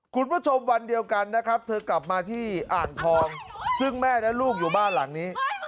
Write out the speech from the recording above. วันเดียวกันนะครับเธอกลับมาที่อ่างทองซึ่งแม่และลูกอยู่บ้านหลังนี้